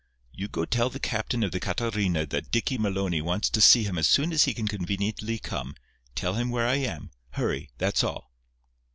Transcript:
You go tell the captain of the Catarina that Dicky Maloney wants to see him as soon as he can conveniently come. Tell him where I am. Hurry. That's all."